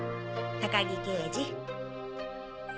高木刑事。